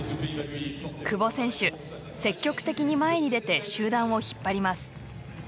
久保選手、積極的に前に出て集団を引っ張ります。